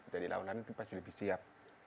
jadi lalu lalu itu pasti lebih siap